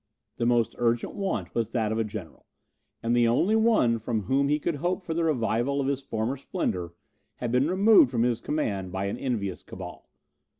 The most urgent want was that of a general; and the only one from whom he could hope for the revival of his former splendour, had been removed from his command by an envious cabal.